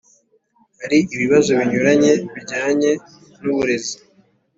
Hari ibibazo binyuranye bijyanye n’uburezi